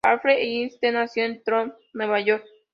Alfred H. Thiessen nació en Troy, Nueva York.